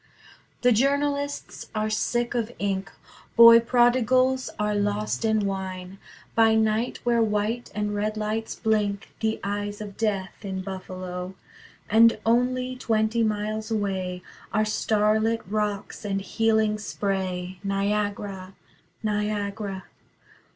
The journalists are sick of ink: Boy prodigals are lost in wine, By night where white and red lights blink, The eyes of Death, in Buffalo. And only twenty miles away Are starlit rocks and healing spray: Niagara, Niagara.